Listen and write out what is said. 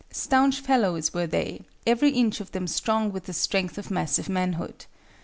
Staunch fellows were they, every inch of them strong with the strength of massive manhood.